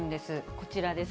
こちらです。